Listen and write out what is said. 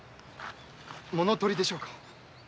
もの取りでしょうか？